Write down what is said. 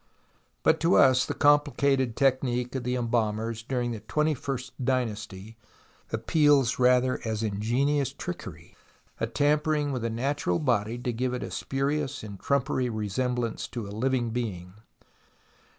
But to us the complicated technique of the embalmers during the twenty first dynasty appeals rather as ingenious trickery, a tampering with the natural body to give it a spurious and trumpery resemblance to a living being.